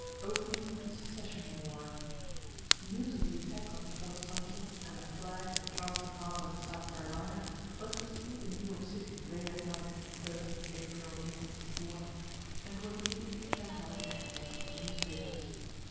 OPENING OF THE SECESSION WAR News of the attack on fort Sumter and the flag at Charleston harbor, S. C., was receiv'd in New York city late at night (13th April, 1861,) and was immediately sent out in extras of the newspapers.